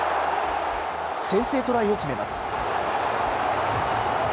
先制トライを決めます。